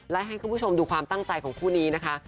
และให้คุณผู้ชมดูความตั้งใจของคู่นี้นะคะ